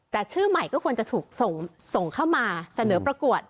แต่ชื่อใหม่ก็ควรจะถูกส่งเข้ามาเสนอประกวด